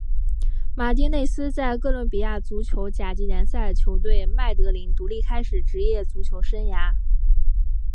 马丁内斯在哥伦比亚足球甲级联赛球队麦德林独立开始职业足球生涯。